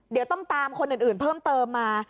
เดี๋ยวต้องตามคนอื่นเพิ่มเติมมา